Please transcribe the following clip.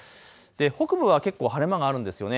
北部は結構晴れ間があるんですね。